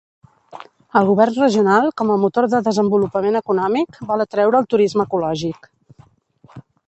El govern regional, com a motor de desenvolupament econòmic, vol atreure el turisme ecològic.